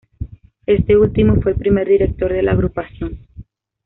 Este último fue el primer director de la agrupación.